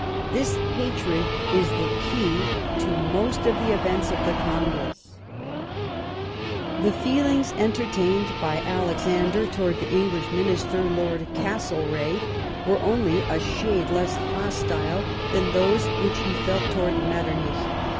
This hatred is the key to most of the events of the Congress." The fecling s entertained by Alexander towards the English Minister, Lord Castlereagh, were only a shade less hostile than those which he felt towards Metternich.